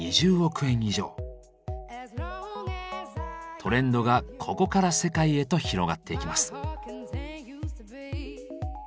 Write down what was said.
トレンドがここから世界へと広がっていきます。